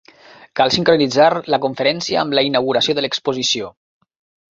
Cal sincronitzar la conferència amb la inauguració de l'exposició.